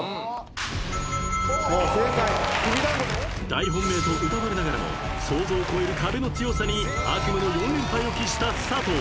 ［大本命とうたわれながらも想像を超える壁の強さに悪夢の４連敗を喫した佐藤］